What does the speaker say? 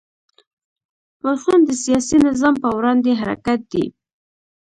پاڅون د سیاسي نظام په وړاندې حرکت دی.